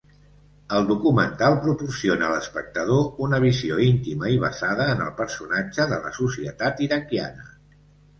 El documental proporciona a l'espectador una visió íntima i basada en el personatge de la societat iraquiana.